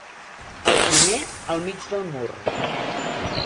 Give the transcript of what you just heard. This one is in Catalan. El primer al mig del mur.